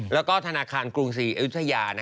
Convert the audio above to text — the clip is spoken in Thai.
แล้วก็ธนาคารกรุงศรีอยุธยา